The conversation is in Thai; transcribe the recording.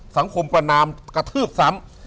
สังคมประนามกระทืบซ้ำ